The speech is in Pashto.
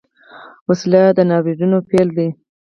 وسله د ناورینونو پیل ده